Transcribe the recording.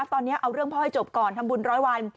ตอนนี้เอาเรื่องพ่อให้จบก่อนทำบุญร้อยวัน